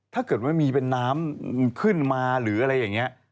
ถ้าเกิดว่ามีเป็นน้ำขึ้นมาหรืออะไรอย่างนี้